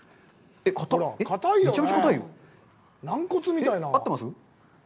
えっ、合ってます？